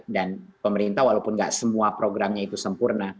dan pemerintah walaupun enggak semua programnya itu sempurna